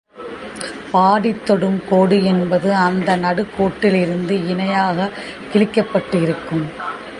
பாடித்தொடும் கோடு என்பது அந்த நடுக்கோட்டிலிருந்து இணையாகக் கிழிக்கப்பட்டு இருக்கும்.